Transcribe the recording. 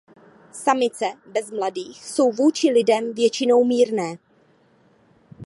Samice bez mladých jsou vůči lidem většinou mírné.